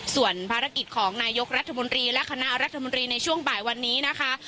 ส่วนภารกิจของนายกรัฐมนตรีและคณะรัฐมนตรีในช่วงบ่ายวันนี้นะคะ